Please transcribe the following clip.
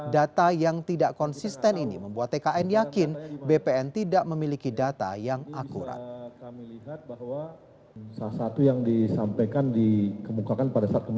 data yang tidak konsisten ini membuat tkn yakin bpn tidak memiliki data yang akurat